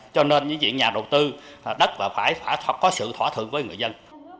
cho nên những nhà đầu tư đất phải có sự thỏa thuận với người dân